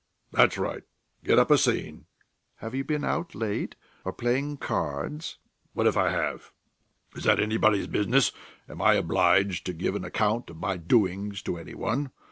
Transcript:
"That's right; get up a scene." "Have you been out late? Or playing cards?" "What if I have? Is that anybody's business? Am I obliged to give an account of my doings to any one?